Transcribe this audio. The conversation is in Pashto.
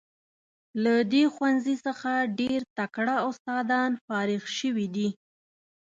له دې ښوونځي څخه ډیر تکړه استادان فارغ شوي دي.